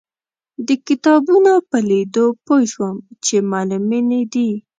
د کتابونو په لیدو پوی شوم چې معلمینې دي.